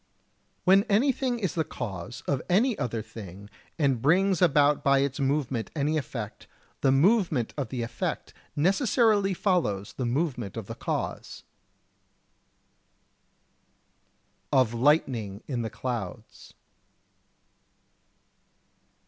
52. When anything is the cause of any other thing, and brings about by its movement any effect, the movement of the effect necessarily follows the movement of the cause. [Sidenote: Of Lightning in the Clouds] 53.